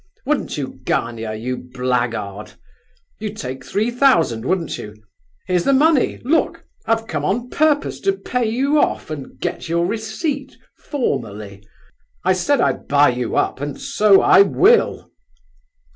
Wouldn't you, Gania, you blackguard? You'd take three thousand, wouldn't you? Here's the money! Look, I've come on purpose to pay you off and get your receipt, formally. I said I'd buy you up, and so I will."